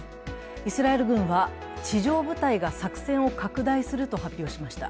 イスラエル軍は地上部隊が作戦を拡大すると発表しました。